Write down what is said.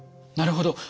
なるほど。